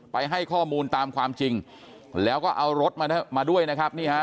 ให้ข้อมูลตามความจริงแล้วก็เอารถมาด้วยนะครับนี่ฮะ